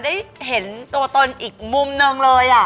ได้เห็นตัวตนอีกมุมหนึ่งเลย